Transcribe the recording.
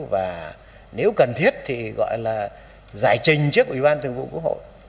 và nếu cần thiết thì gọi là giải trình trước ủy ban thường vụ quốc hội